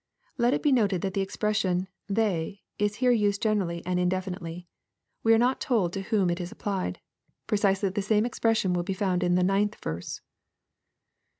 ] Let it be noted thai the expression " they" is here used generally and indefinitely. We are not told to whom it is applied. Precisely the same expression will be found in the ninth verse.